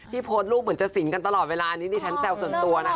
โพสต์รูปเหมือนจะสิงกันตลอดเวลานี้ดิฉันแซวส่วนตัวนะ